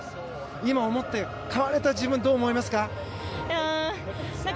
今思っている変われた自分、どう思いますか？